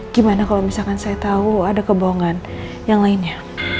gimana kalau misalkan saya tahu ada kebohongan yang lainnya